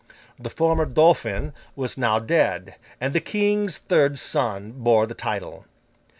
The former Dauphin was now dead, and the King's third son bore the title.